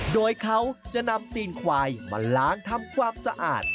โดยเขาจะนำตีนควายมาล้างทำความสะอาด